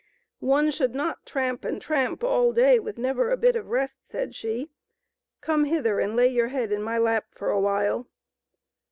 " One should not tramp and tramp all day with never a bit of rest/' said she ;" come hither and lay your head in my lap for a while."